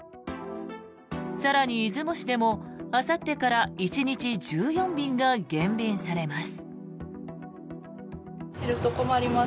更に、出雲市でもあさってから１日１４便が減便されます。